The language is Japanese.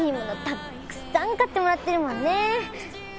たっくさん買ってもらってるもんね。